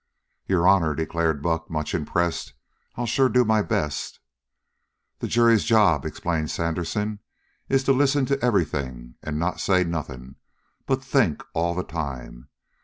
"Your honor," declared Buck, much impressed, "I'll sure do my best." "The jury's job," explained Sandersen, "is to listen to everything and not say nothing, but think all the time.